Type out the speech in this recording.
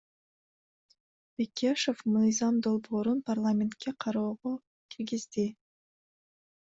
Бекешев мыйзам долбоорун парламентке кароого киргизди.